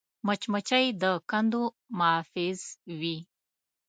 مچمچۍ د کندو محافظ وي